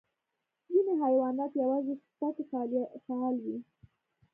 ځینې حیوانات یوازې شپه کې فعال وي.